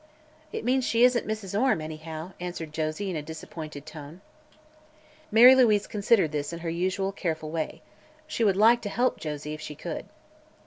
"It means she isn't Mrs. Orme, anyhow," answered Josie, in a disappointed tone. Mary Louise considered this in her usual careful way. She would like to help Josie, if she could.